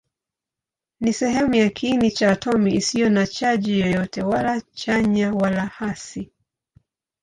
Ni sehemu ya kiini cha atomi isiyo na chaji yoyote, wala chanya wala hasi.